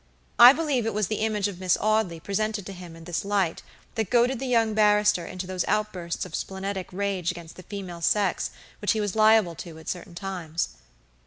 I believe it was the image of Miss Audley presented to him in this light that goaded the young barrister into those outbursts of splenetic rage against the female sex which he was liable to at certain times.